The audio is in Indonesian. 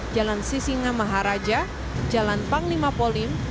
jalan sisinga maharaja jalan panglima polim